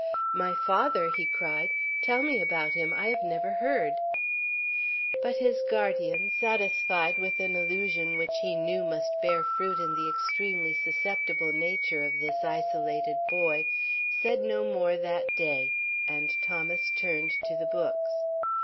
"My father!" he cried; "tell me about him; I have never heard." But his guardian, satisfied with an allusion which he knew must bear fruit in the extremely susceptible nature of this isolated boy, said no more that day, and Thomas turned to the books.